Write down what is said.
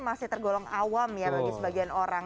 masih tergolong awam ya bagi sebagian orang